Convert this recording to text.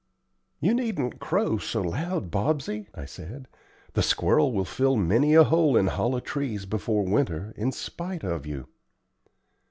"You needn't crow so loud, Bobsey," I said. "The squirrel will fill many a hole in hollow trees before winter, in spite of you."